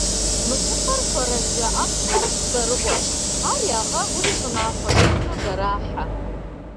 Мы щӏыпӏэр хуэрэджэ ӏэфӏкӏэ цӏэрыӏуэщ, ар ягъэгъури, щӏымахуэ шхыну зэрахьэ.